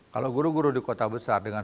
kalau guru guru di kota besar dengan